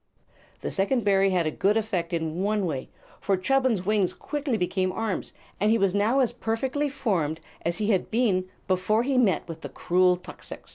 The second berry had a good effect in one way, for Chubbins' wings quickly became arms, and he was now as perfectly formed as he had been before he met with the cruel tuxix.